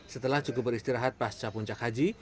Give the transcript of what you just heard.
setelah cukup beristirahat pasca puncak haji